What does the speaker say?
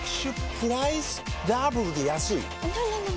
プライスダブルで安いＮｏ！